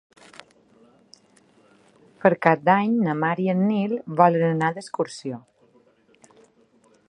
Per Cap d'Any na Mar i en Nil volen anar d'excursió.